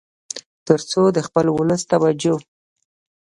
تر څو د خپل ولس توجه